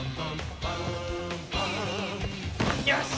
よし！